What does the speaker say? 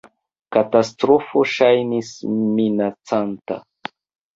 Katastrofo ŝajnis minacanta.